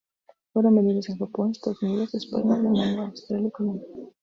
Fueron vendidos en Japón, Estados Unidos, España, Alemania, Australia y Colombia.